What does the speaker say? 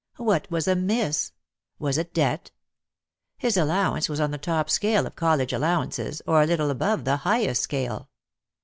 What was amiss? Was it debt? His allowance was on the top scale of college allowances, or a little above the highest scale.